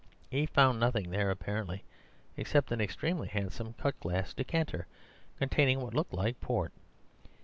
He found nothing there, apparently, except an extremely handsome cut glass decanter, containing what looked like port.